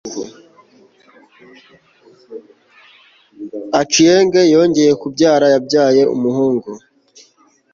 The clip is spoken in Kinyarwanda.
achieng 'yongeye kubyara, yabyaye umuhungu